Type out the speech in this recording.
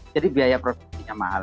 jadi biaya produksinya mahal